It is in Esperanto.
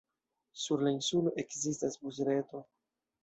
Sur la insulo ekzistas busreto.